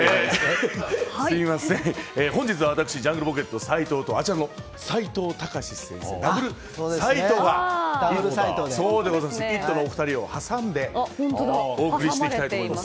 本日、私ジャングルポケット斉藤とあちらの齋藤孝先生のダブルさいとうで「イット！」のお二人を挟んでお送りしたいと思います。